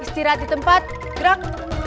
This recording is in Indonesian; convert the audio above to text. istirahat di tempat gerak